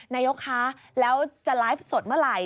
นายกคะแล้วจะไลฟ์สดเมื่อไหร่